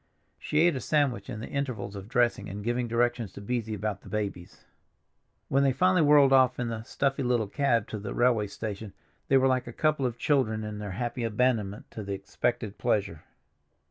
She ate a sandwich in the intervals of dressing and giving directions to Beesy about the babies. When they finally whirled off in the stuffy little cab to the railway station they were like a couple of children in their happy abandonment to the expected pleasure.